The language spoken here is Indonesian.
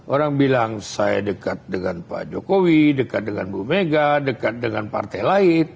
orang bilang saya dekat dengan pak jokowi dekat dengan bu mega dekat dengan partai lain